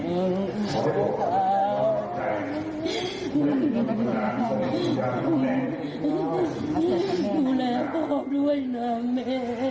คุณดูแลพ่อด้วยด้วยนะแม่